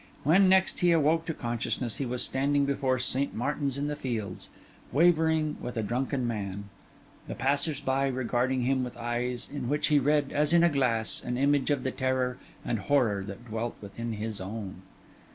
When next he awoke to consciousness, he was standing before St. Martin's in the Fields, wavering like a drunken man; the passers by regarding him with eyes in which he read, as in a glass, an image of the terror and horror that dwelt within his own.